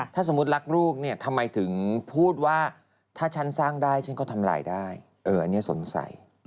ถ้าสมมุติรักลูกเนี่ยทำไมถึงพูดว่าถ้าฉันสร้างได้ฉันก็ทำลายได้อันนี้สงสัย